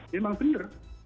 ya memang benar